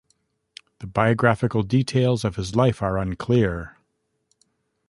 The biographical details of his life are unclear.